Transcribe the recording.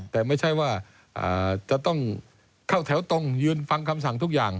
แต่ไม่ใช่ว่าจะต้องเข้าแถวตรงยืนฟังคำสั่งทุกอย่าง